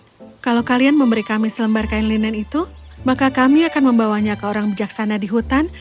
jika kau memberi kami sekeping kain linen kami akan membawanya ke orang bijaksana di hutan